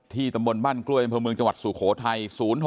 ที่ตำบลบ้านกล้วยพระเมืองจังหวัดสุโขทัย๐๖๑๘๐๒๖๖๖๖